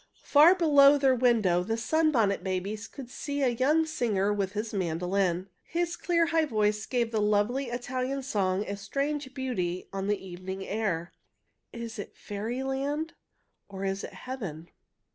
Far below their window the Sunbonnet Babies could see a young singer with his mandolin. His clear, high voice gave the lovely Italian song a strange beauty on the evening air. "Is it fairyland, or is it heaven?"